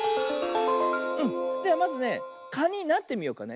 ではまずねかになってみようかね。